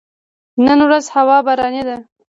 نن ورځ هوا باراني ده